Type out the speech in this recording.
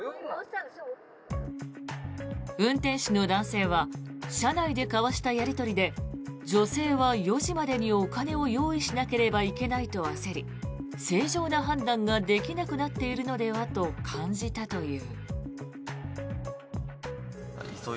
運転手の男性は車内で交わしたやり取りで女性は４時までにお金を用意しなければいけないと焦り正常な判断ができなくなっているのではと感じたという。